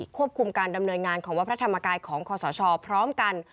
ควบคุมการดำเนินงานของวัดพระธรรมกายของคอสชพร้อมกัน